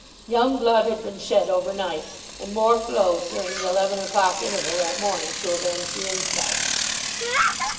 Young blood had been shed overnight, and more flowed during the eleven o'clock interval that morning to avenge the insult.